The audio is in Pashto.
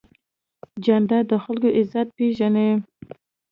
جانداد د خلکو عزت پېژني.